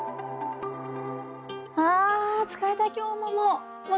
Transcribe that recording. ああ疲れた今日ももう。